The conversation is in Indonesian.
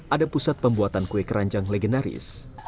ada pusat pembuatan kue keranjang legendaris